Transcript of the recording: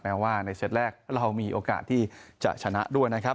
ว่าในเซตแรกเรามีโอกาสที่จะชนะด้วยนะครับ